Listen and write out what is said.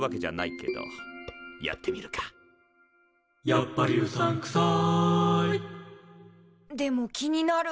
「やっぱりうさんくさい」でも気になる。